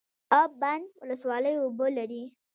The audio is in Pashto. اب بند ولسوالۍ اوبه لري؟